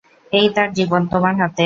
এই, তার জীবন তোমার হাতে।